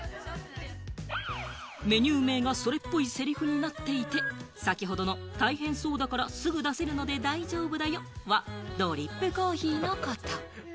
メニュー名がそれっぽいせりふになっていて、先ほどの「大変そうだから、すぐ出せるので大丈夫だよ」はドリップコーヒーのこと。